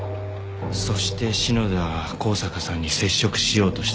そして篠田は香坂さんに接触しようとした。